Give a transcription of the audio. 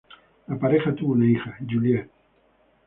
La pareja tuvo una hija, Juliet.